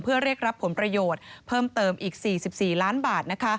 เพื่อเรียกรับผลประโยชน์เพิ่มเติมอีก๔๔ล้านบาท